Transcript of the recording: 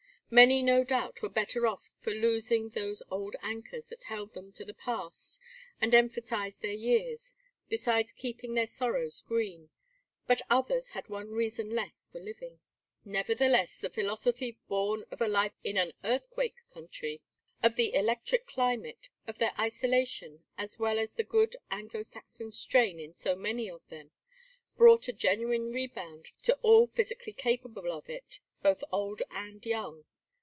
Many no doubt were better off for losing those old anchors that held them to the past and emphasized their years, besides keeping their sorrows green, but others had one reason less for living. Nevertheless the philosophy born of a lifetime in an earthquake country, of the electric climate, of their isolation, as well as the good Anglo Saxon strain in so many of them, brought a genuine rebound to all physically capable of it, both old and young.